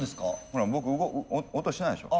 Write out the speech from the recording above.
ほら僕音しないでしょ？